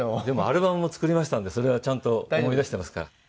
でもアルバムも作りましたんでそれはちゃんと思い出してますから。